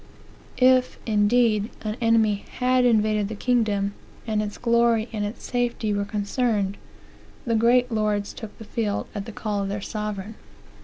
If, indeed, an enemy had invaded the kingdoms, and its glory and its safety were concerned, the great lords took the field at the call of their sovereign.